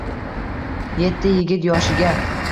Yetdi yigit yoshiga.